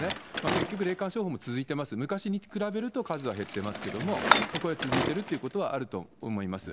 結局、霊感商法も続いてます、昔に比べると数は減ってますけれども、これは続いているということはあると思います。